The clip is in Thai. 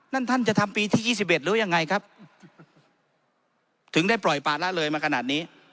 ท่านท่านจะทำปีที่๒๑หรือยังไงครับถึงได้ปล่อยป่าละเลยมาขนาดนี้